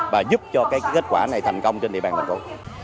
và giúp cho kết quả này thành công trên địa bàn thành phố